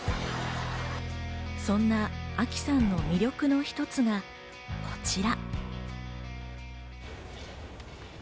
そんなあきさんの魅力の一つがこちら。